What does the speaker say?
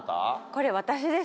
これ私です。